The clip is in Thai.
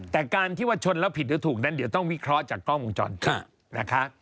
แต่การที่ว่าชนแล้วผิดหรือถูกนั้นเดี๋ยวต้องวิเคราะห์จากกล้องวงจรปิดนะคะ